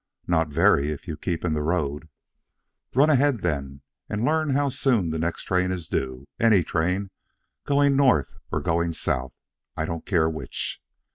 "Not very, if you keep in the road." "Run ahead, then, and learn how soon the next train is due any train, going north or going south I don't care which.